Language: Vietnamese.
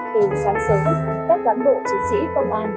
từ sáng sớm các cán bộ chiến sĩ công an